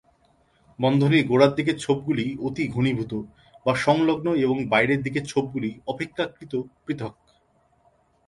বন্ধনীর গোড়ার দিকের ছোপগুলি অতি ঘনীভূত বা সংলগ্ন এবং বাইরের দিকের ছোপগুলি অপেক্ষাকৃত পৃথক।